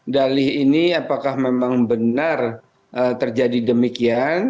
dalih ini apakah memang benar terjadi demikian